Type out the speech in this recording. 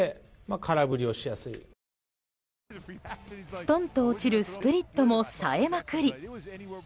ストンと落ちるスプリットもさえまくり。